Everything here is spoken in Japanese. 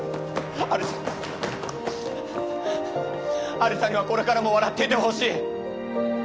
有沙にはこれからも笑っていてほしい。